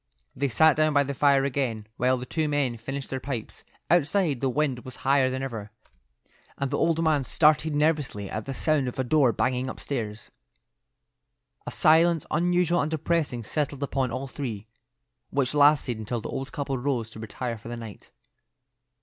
They sat down by the fire again while the two men finished their pipes. Outside, the wind was higher than ever, and the old man started nervously at the sound of a door banging upstairs. A silence unusual and depressing settled upon all three, which lasted until the old couple rose to retire for the night.